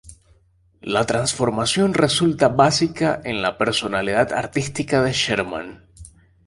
La transformación resulta básica en la personalidad artística de Sherman.